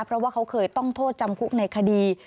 เพราะว่าเขาเคยต้องโทษจำคุกในคดี